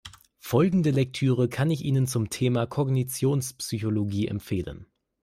Folgende Lektüre kann ich Ihnen zum Thema Kognitionspsychologie empfehlen.